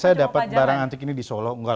saya dapat barang antik ini di solo